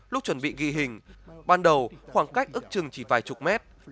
lúc chuẩn bị ghi hình ban đầu khoảng cách ức chừng chỉ vài chục mét